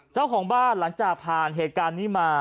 เจ้าของบ้านหลังจากผ่านเหตุการณ์นี้มา